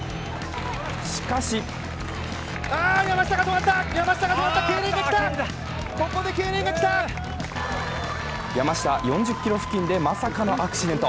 しかし山下、４０ｋｍ付近でまさかのアクシデント。